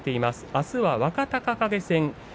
あすは若隆景戦です。